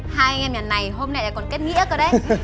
hai anh em nhà này hôm nay là còn kết nghĩa cơ đấy